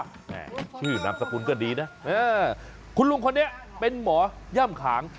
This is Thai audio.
แม่ชื่อนามสกุลก็ดีนะคุณลุงคนนี้เป็นหมอย่ำขาง